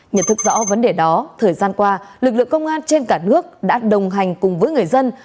nhận thức rõ vấn đề đó thời gian qua lực lượng công an trên cả nước đã đồng hành cùng với người dân